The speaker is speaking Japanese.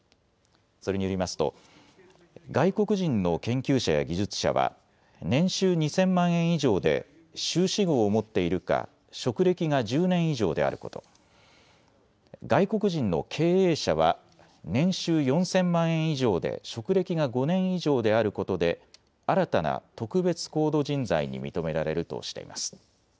それによりますと、外国人の研究者や技術者は年収２０００万円以上で修士号を持っているか職歴が１０年以上であること、外国人の経営者は年収４０００万円以上で職歴が５年以上であることで新たな特別高度人材に認められるとしています。